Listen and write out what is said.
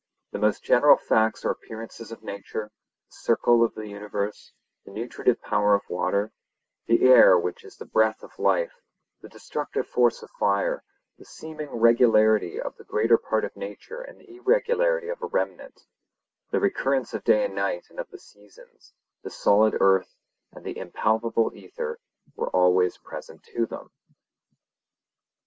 The most general facts or appearances of nature, the circle of the universe, the nutritive power of water, the air which is the breath of life, the destructive force of fire, the seeming regularity of the greater part of nature and the irregularity of a remnant, the recurrence of day and night and of the seasons, the solid earth and the impalpable aether, were always present to them.